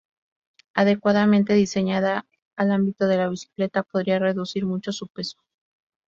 Adecuadamente diseñada al ámbito de la bicicleta podría reducir mucho su peso.